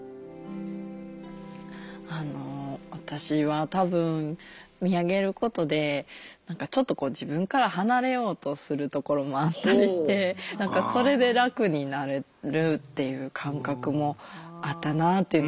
あの私は多分見上げることで何かちょっとこう自分から離れようとするところもあったりして何かそれで楽になれるっていう感覚もあったなっていう。